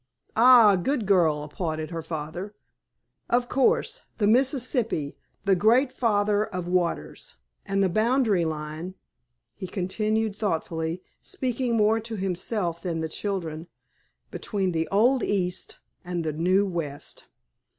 "Ah, good girl!" applauded her father. "Of course! The Mississippi—the great Father of Waters. And the boundary line "—he continued thoughtfully, speaking more to himself than the children,—"between the old East and the new West."